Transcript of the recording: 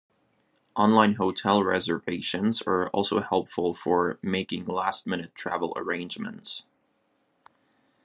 Online hotel reservations are also helpful for making last minute travel arrangements.